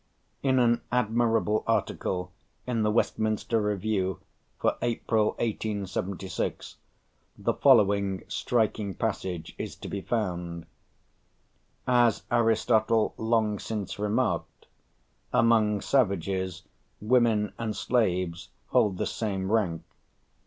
In an admirable article in the Westminster Review for April, 1876, the following striking passage is to be found: "As Aristotle long since remarked, among savages women and slaves hold the same rank.